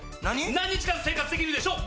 何日間生活できるでしょう？